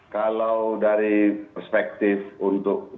kalau dari perspektif untuk